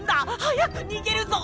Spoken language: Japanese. はやくにげるぞ！